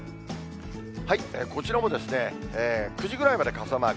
こちらも９時ぐらいまで傘マーク。